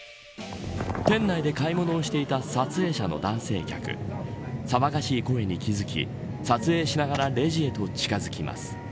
店内で買い物をしていた撮影者の男性客騒がしい声に気付き撮影しながらレジに近づきます。